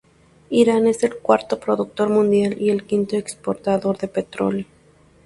Irán es el cuarto productor mundial y el quinto exportador de petróleo.